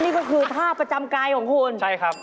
นี่ก็คือท่าประจำกายของคุณใช่ครับ